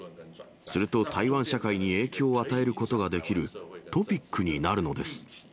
すると台湾社会に影響を与えることができるトピックになるのです。